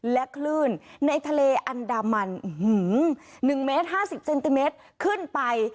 และคลื่นในทะเลอันดามัน๑เมตร๕๐เซนติเมตรขึ้นไป